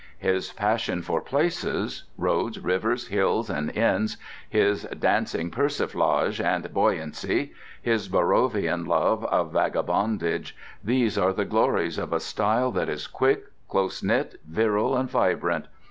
His passion for places—roads, rivers, hills, and inns; his dancing persiflage and buoyancy; his Borrovian love of vagabondage—these are the glories of a style that is quick, close knit, virile, and vibrant.